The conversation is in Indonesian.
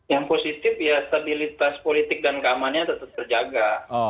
yang positif ya stabilitas politik dan keamanannya tetap terjaga